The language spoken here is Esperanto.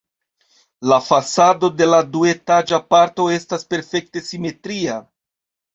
La fasado de la duetaĝa parto estas perfekte simetria.